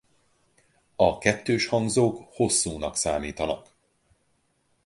A kettőshangzók hosszúnak számítanak.